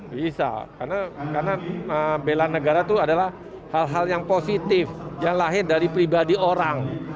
bisa karena bela negara itu adalah hal hal yang positif yang lahir dari pribadi orang